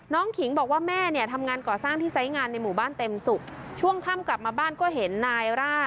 ขิงบอกว่าแม่เนี่ยทำงานก่อสร้างที่ไซส์งานในหมู่บ้านเต็มศุกร์ช่วงค่ำกลับมาบ้านก็เห็นนายร่า